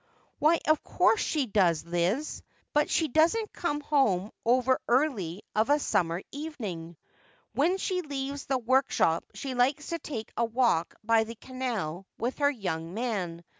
Why, of course she does, Liz — but she don't conio home overearly of a summer evening. When she leaves the workshop she likes to take a walk by the canal with her young man.